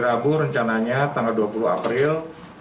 rabu rencananya tanggal dua puluh april